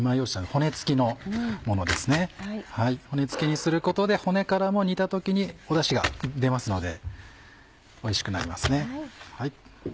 骨付きにすることで骨からも煮た時にダシが出ますのでおいしくなりますね。